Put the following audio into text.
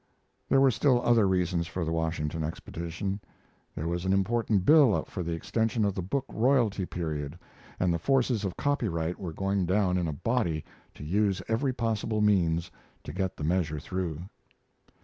There were still other reasons for the Washington expedition. There was an important bill up for the extension of the book royalty period, and the forces of copyright were going down in a body to use every possible means to get the measure through.